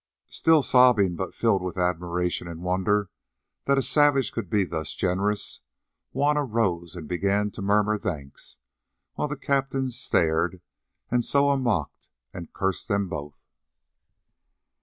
Still sobbing, but filled with admiration and wonder that a savage could be thus generous, Juanna rose and began to murmur thanks, while the captains stared, and Soa mocked and cursed them both.